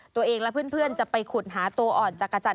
ตัวเองและเพื่อนจะไปขุดหาตัวอ่อนจักรจันท